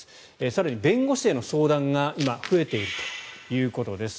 更に、弁護士への相談が今、増えているということです。